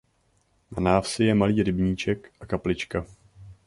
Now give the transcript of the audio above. Na návsi je malý rybníček a kaplička.